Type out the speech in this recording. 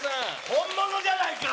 本物じゃないか！